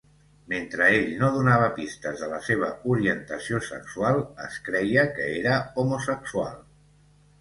Mentre ell no donava pistes de la seva orientació sexual, es creia que era homosexual.